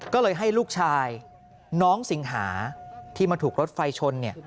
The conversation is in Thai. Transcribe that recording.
ก็เลยให้ลูกชายน้องสิงหาที่มาถูกรถไฟชน